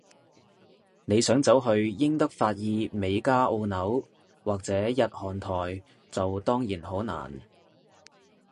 你想走去英德法意美加澳紐，或者日韓台，就當然好難